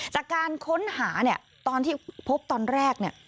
จากการค้นหาตอนที่พบตอนแรก